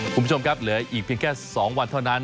คุณผู้ชมครับเหลืออีกเพียงแค่๒วันเท่านั้น